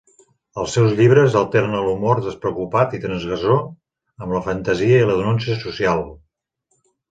Als seus llibres alterna l'humor despreocupat i transgressor amb la fantasia i la denúncia social.